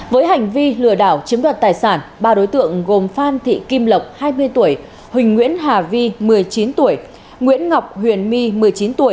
với hành vi lừa đảo chiếm đoạt tài sản ba đối tượng gồm phan thị kim lộc hai mươi tuổi huỳnh nguyễn hà vi một mươi chín tuổi nguyễn ngọc huyền my một mươi chín tuổi